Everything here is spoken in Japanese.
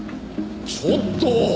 ちょっと！